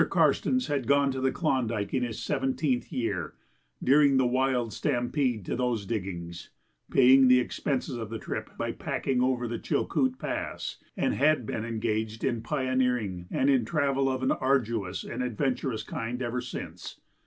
Karstens had gone to the Klondike in his seventeenth year, during the wild stampede to those diggings, paying the expenses of the trip by packing over the Chilkoot Pass, and had been engaged in pioneering and in travel of an arduous and adventurous kind ever since.